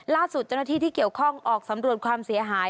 ล่าสุดเจ้าหน้าที่ที่เกี่ยวข้องออกสำรวจความเสียหาย